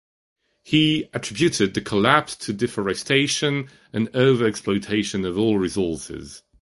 He attributed the collapse to deforestation and over-exploitation of all resources.